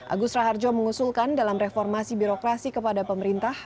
agus raharjo mengusulkan dalam reformasi birokrasi kepada pemerintah